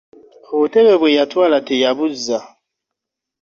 Obutebe bw'eyatwala teyabuzza